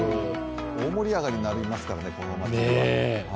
大盛り上がりになりますからね、このお祭りは。